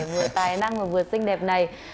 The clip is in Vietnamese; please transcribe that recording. vừa tài năng và vừa xinh đẹp này